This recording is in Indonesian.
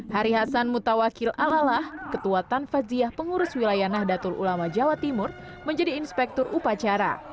hari hasan mutawakil alalah ketua tan faziah pengurus wilayah nahdlatul ulama jawa timur menjadi inspektur upacara